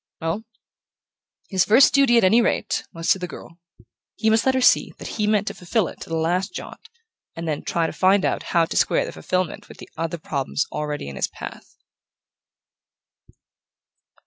Well, his first duty, at any rate, was to the girl: he must let her see that he meant to fulfill it to the last jot, and then try to find out how to square the fulfillment with the other problems already in his path...